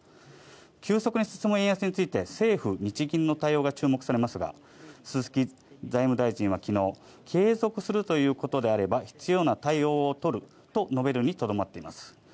急速に進む円安について政府・日銀の対応が注目されますが、鈴木財務大臣は昨日、継続するということであれば必要な対応を取ると述べるにとどまっています。